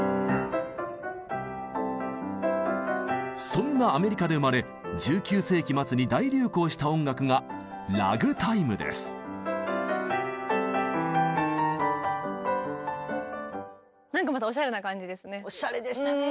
そんなアメリカで生まれ１９世紀末に大流行した音楽がなんかまたおしゃれな感じですね。